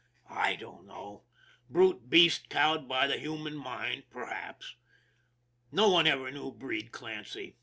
I don't know brute beast cowed by the human mind, perhaps. No one ever knew Breed Clancy.